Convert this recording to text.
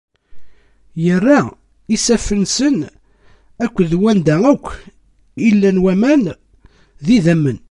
Irra isaffen-nsen akked wanda akk i llan waman, d idammen.